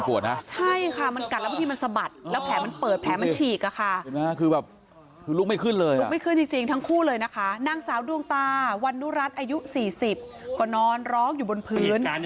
วรรณุรัติอายุ๔๐ก็นอนร้องอยู่บนพื้น